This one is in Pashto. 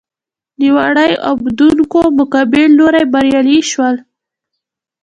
د وړۍ اوبدونکو مقابل لوری بریالي شول.